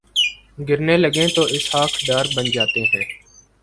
گرنے لگیں تو اسحاق ڈار بن جاتے ہیں۔